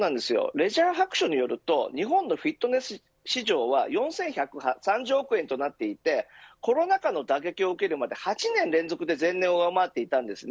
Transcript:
レジャー白書によると日本のフィットネス市場は４１３０億円となっていてコロナ禍の打撃を受けるまで８年連続で前年を上回っていたんです。